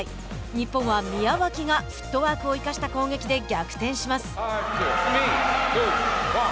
日本は、宮脇がフットワークを生かした攻撃で逆転します。